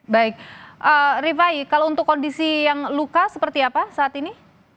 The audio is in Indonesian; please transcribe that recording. baik rifai kalau untuk kondisi yang luka seperti apa saat ini